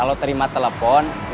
agus mereka kesini